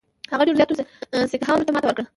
هغه ډېرو زیاتو سیکهانو ته ماته ورکړه.